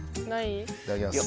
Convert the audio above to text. いただきます。